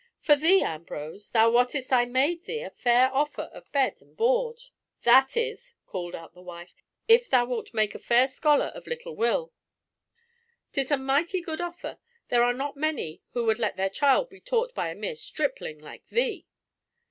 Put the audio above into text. For thee, Ambrose, thou wottest I made thee a fair offer of bed and board." "That is," called out the wife, "if thou wilt make a fair scholar of little Will. 'Tis a mighty good offer. There are not many who would let their child be taught by a mere stripling like thee!"